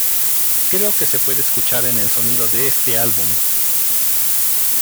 Creo que se puede escuchar en el sonido de este álbum.